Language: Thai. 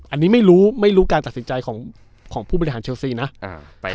อันนี้ไม่รู้ไม่รู้การตัดสินใจของผู้บริหารเชลซีนะ